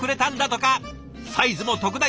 サイズも特大。